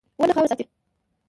• ونه خاوره ساتي.